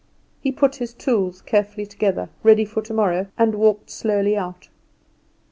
He put his tools together, ready for tomorrow, and walked slowly out.